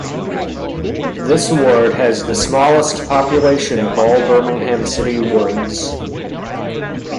This ward has the smallest population of all Birmingham City wards.